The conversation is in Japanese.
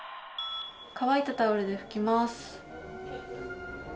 乾いたタオルで拭きます。